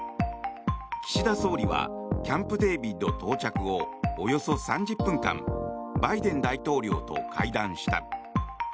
岸田総理はキャンプデービッド到着後およそ３０分間バイデン大統領と会談した。